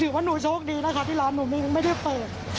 ถือว่าหนูโชคดีนะคะที่ร้านหนูยังไม่ได้เปลี่ยน